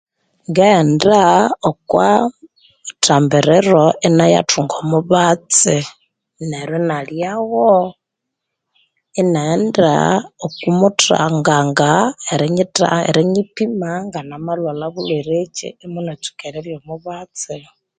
Ngaghenda okwithambiriro inayathunga omubatsi neryo inalyawo iniaghenda oko mutanganga erinyipima nganamalwala bulwerechi inatsuka erirya omubatsi